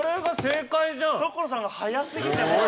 所さんが早過ぎてもう。